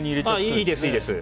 いいです。